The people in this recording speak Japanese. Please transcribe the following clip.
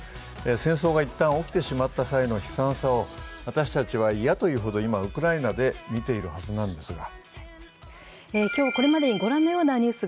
戦争がいったん起きてしまった際の悲惨さを私たち嫌というほど今、ウクライナで見ているはずなんですが。